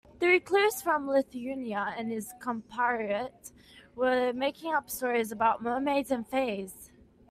The recluse from Lithuania and his compatriot were making up stories about mermaids and fays.